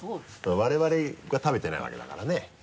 我々は食べてないわけだからね。